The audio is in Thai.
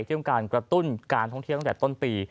ที่ต้องการกระตุ้นการท่องเที่ยวตั้งแต่ต้นปี